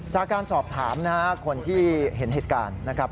จากการสอบถามนะฮะคนที่เห็นเหตุการณ์นะครับ